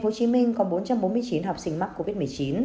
tp hcm có bốn trăm bốn mươi chín học sinh mắc covid một mươi chín